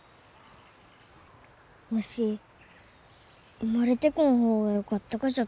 わし生まれてこん方がよかったがじゃと。